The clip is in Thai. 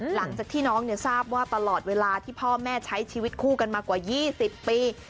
หลังจากที่น้องทราบว่าตลอดเวลาที่พ่อแม่ใช้ชีวิตคู่กันมากว่า๒๐ปี